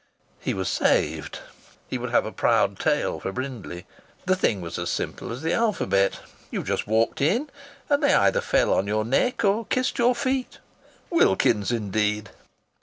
He was saved. He would have a proud tale for Brindley. The thing was as simple as the alphabet. You just walked in and they either fell on your neck or kissed your feet. Wilkins's, indeed!